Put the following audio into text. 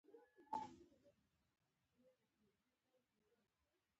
په پاک ځای کښېنه.